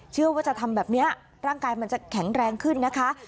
เชื่อว่าจะทำแบบนี้ร่างกายมันจะแข็งแรงขึ้นนะคะ